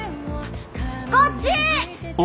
こっち！